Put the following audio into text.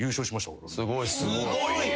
すごい！